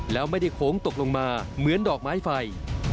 แล้วไม่ได้โค้งตกลงมาเหมือนดอกไม้ไฟ